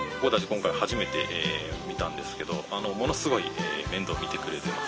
今回初めて見たんですけどものすごい面倒見てくれてます。